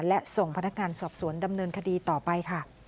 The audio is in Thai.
และส่งพนักงานสอบสวนดำเนินคดีต่อไปค่ะ